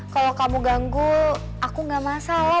kalau kamu ganggu aku gak masalah